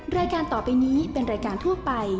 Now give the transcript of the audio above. รายการต่อไปนี้เป็นรายการทั่วไป